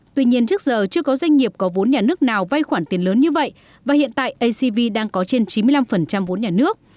tuy nhiên trước giờ chưa có doanh nghiệp có vốn nhà nước nào vay khoản tiền lớn như vậy và hiện tại acv đang có trên chín mươi năm vốn nhà nước